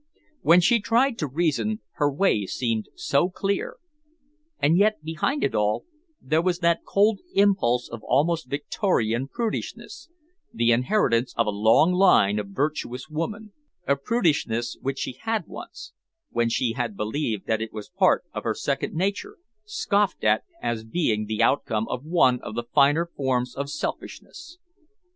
When she tried to reason, her way seemed so clear, and yet, behind it all, there was that cold impulse of almost Victorian prudishness, the inheritance of a long line of virtuous women, a prudishness which she had once, when she had believed that it was part of her second nature, scoffed at as being the outcome of one of the finer forms of selfishness.